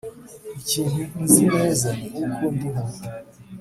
Ikintu nzi neza ni uko ndiho